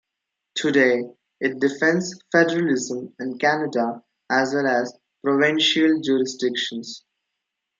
Today, it defends federalism in Canada as well as provincial jurisdictions.